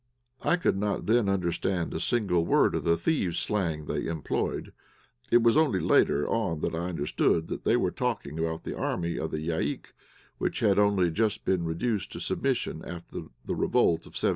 I could not then understand a single word of the thieves' slang they employed. It was only later on that I understood that they were talking about the army of the Yaïk, which had only just been reduced to submission after the revolt of 1772.